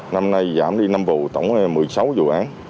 năm nay giảm đi năm vụ tổng một mươi sáu vụ án